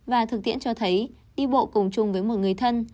và thực tiễn cho thấy y bộ cùng chung với một người thân